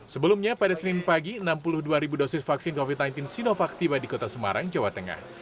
sebelumnya pada senin pagi enam puluh dua ribu dosis vaksin covid sembilan belas sinovac tiba di kota semarang jawa tengah